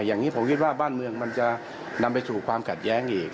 อย่างนี้ผมคิดว่าบ้านเมืองมันจะนำไปสู่ความขัดแย้งอีก